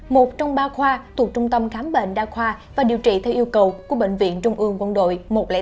một trong ba khoa thuộc trung tâm khám bệnh đa khoa và điều trị theo yêu cầu của bệnh viện trung ương quân đội một trăm linh tám